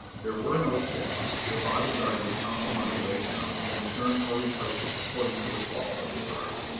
There were no chips; the body guard would count the money laid down, and return or replace it according to the fall of the card.